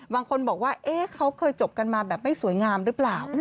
บางคนบอกว่าเขาเคยจบกันมาแบบไม่สวยงามหรือเปล่า